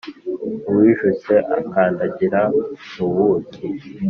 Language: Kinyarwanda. uwijuse akandagira mu buki